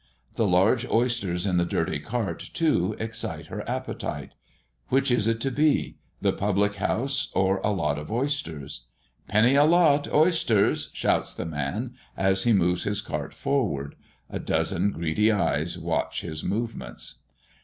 The large oysters in the dirty cart, too, excite her appetite. Which is it to be? the public house or a lot of oysters? "Penny a lot, oysters!" shouts the man, as he moves his cart forward. A dozen greedy eyes watch his movements.